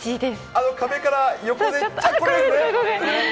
あの壁から横で、これですね。